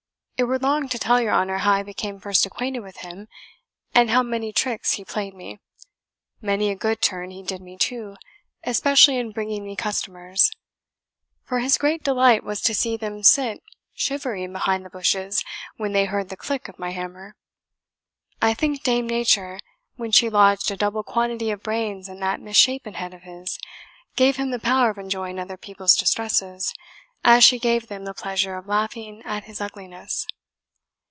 It were long to tell your honour how I became first acquainted with him, and how many tricks he played me. Many a good turn he did me too, especially in bringing me customers; for his great delight was to see them sit shivering behind the bushes when they heard the click of my hammer. I think Dame Nature, when she lodged a double quantity of brains in that misshapen head of his, gave him the power of enjoying other people's distresses, as she gave them the pleasure of laughing at his ugliness."